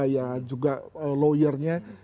ya juga lawyernya